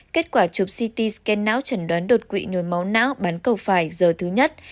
kết quả chụp ct scan não chẩn đoán đột quỵ nồi máu não bắn cầu phải giờ thứ nhất